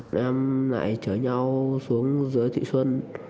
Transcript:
bọn em lại chở nhau xuống dưới thị xuân